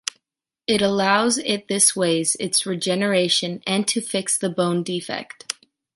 It allows it this ways its regeneration and to fix the bone defect.